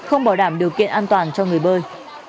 không bảo đảm điều kiện an toàn cho người bơi